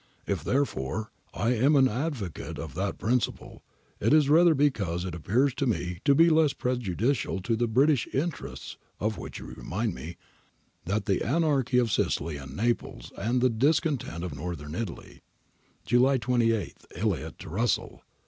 If, therefore, I am an advocate of that principle, it is rather because it appears to me to be less prejudicial to British interests (of which you remind me) than the anarchy of Sicily and Naples, and the discontent of North Italy.' July 28. Elliot to Russell.